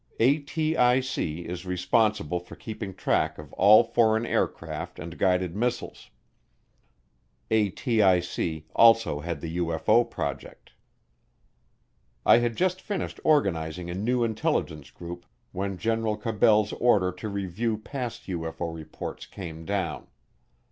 ATIC is responsible for keeping track of all foreign aircraft and guided missiles. ATIC also had the UFO project. I had just finished organizing a new intelligence group when General Cabell's order to review past UFO reports came down.